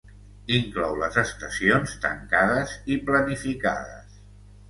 Inclou les estacions tancades i planificades.